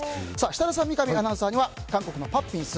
設楽さん、三上アナウンサーには韓国のパッピンス。